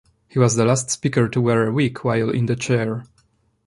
He was the last Speaker to wear a wig while in the chair.